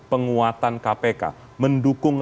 kekuatan kpk mendukung